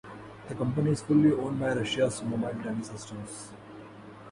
The company is fully owned by Russia's Mobile TeleSystems.